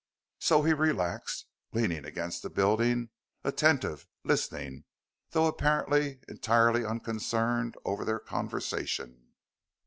So he relaxed, leaning against the building attentive, listening, though apparently entirely unconcerned over their conversation.